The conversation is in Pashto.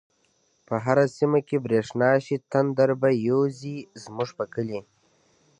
په هر سيمه چی بريښنا شی، تندر پر يوزی زموږ په کلی